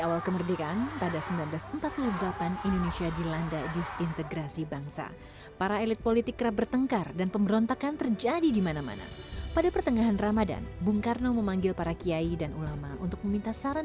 allah akbar allah akbar allah akbar